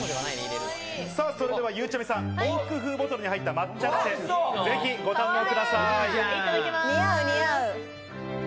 それではゆうちゃみさん、インク風ボトルに入った抹茶ラテ、ぜひご堪能ください。